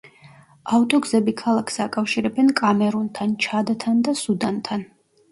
ავტოგზები ქალაქს აკავშირებენ კამერუნთან, ჩადთან და სუდანთან.